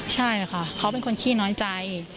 ใช่ค่ะเขาเป็นคนขี้น้อยใจ